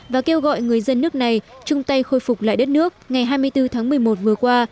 và kêu gọi người dân nước này chung tay khôi phục lại đất nước ngày hai mươi bốn tháng một mươi một vừa qua